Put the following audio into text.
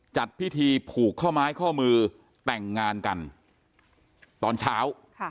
จัดพิธีผูกข้อไม้ข้อมือแต่งงานกันตอนเช้า